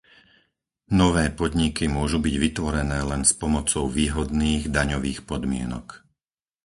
Nové podniky môžu byť vytvorené len s pomocou výhodných daňových podmienok.